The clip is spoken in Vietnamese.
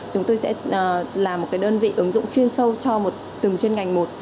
chúng tôi sẽ làm một cái đơn vị ứng dụng chuyên sâu cho một từng chuyên ngành một